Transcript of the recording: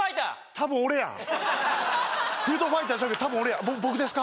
多分俺やフードファイターじゃなくて多分俺やぼ僕ですか？